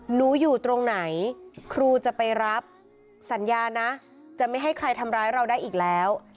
อยู่ตรงไหนครูจะไปรับสัญญานะจะไม่ให้ใครทำร้ายเราได้อีกแล้ว